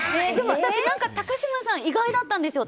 私なんか高嶋さん、意外だったんですよ。